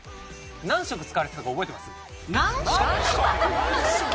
何色使われてたか覚えてます？